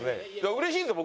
うれしいですよ